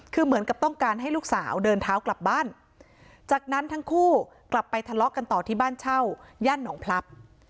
คือเหมือนกับต้องการให้ลูกสาวเดินเท้ากลับบ้านจากนั้นทั้งคู่กลับไปทะเลาะกันต่อที่บ้านเช่าย่านหนองพลับ